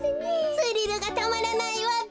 スリルがたまらないわべ。